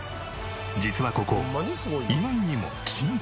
実はここ意外にも賃貸。